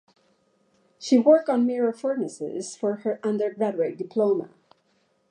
She worked on mirror furnaces for her undergraduate diploma.